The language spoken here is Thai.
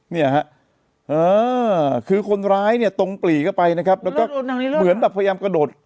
เนี่ยฮะเออคือคนร้ายเนี่ยตรงปลีเข้าไปนะครับแล้วก็เหมือนแบบพยายามกระโดด